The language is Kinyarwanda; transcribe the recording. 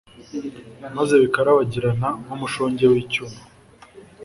maze bikarabagirana nk'umushonge w'icyuma